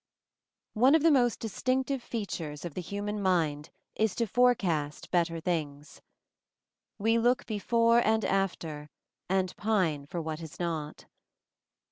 NIW YORK PREFACE NE of the most distinctive features of the human mind is to forecast better things. "We look before and after And pine for what Is not."